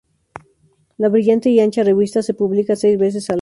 La brillante y ancha revista se publica seis veces al año.